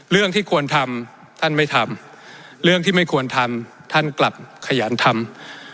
เรื่องที่ควรทำท่านไม่ทำเรื่องที่ไม่ควรทำท่านกลับขยันทำ